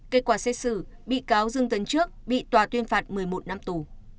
kết quả xét xử bị cáo dương tấn trước bị tòa tuyên phạt một mươi một năm tù